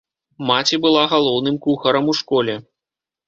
Маці была галоўным кухарам у школе.